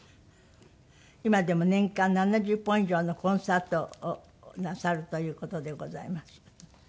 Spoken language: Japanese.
今でも年間７０本以上のコンサートをなさるという事でございます。